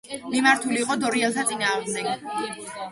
მიმართული იყო დორიელთა წინააღმდეგ.